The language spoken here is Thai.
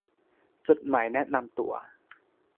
จดหมายแนะนำตัว